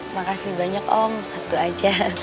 makasih banyak om satu aja